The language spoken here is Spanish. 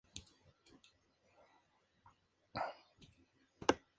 Al mes siguiente, Emmanuel tendría su última lucha, vengándose de Rasta.